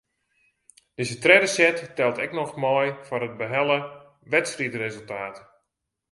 Dizze tredde set teld ek noch mei foar it behelle wedstriidresultaat.